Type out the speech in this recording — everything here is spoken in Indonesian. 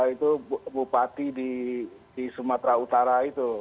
jadi itu juga ada yang dipercaya di sumatera utara itu